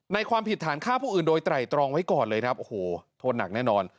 ความผิดฐานฆ่าผู้อื่นโดยไตรตรองไว้ก่อนเลยครับโอ้โหโทษหนักแน่นอน